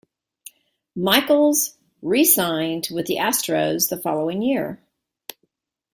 Michaels re-signed with the Astros the following year.